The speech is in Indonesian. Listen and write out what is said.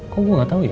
kok gue gak tau ya